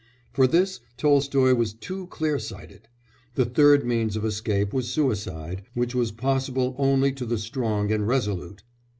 For this Tolstoy was too clear sighted. The third means of escape was suicide, which was possible only to the strong and resolute.